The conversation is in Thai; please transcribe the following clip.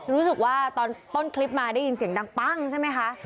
รู้สึกว่าตอนต้นคลิปมาได้ยินเสียงดังปั้งใช่ไหมคะ